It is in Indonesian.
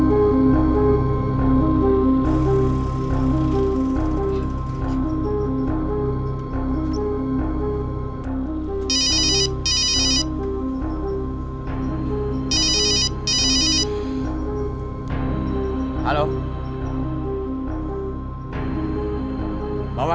eh elimun dah